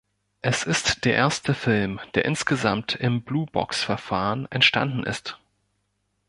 Es ist der erste Film, der insgesamt im Blue-Box Verfahren entstanden ist.